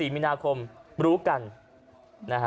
๒๔มินาคมรู้กัน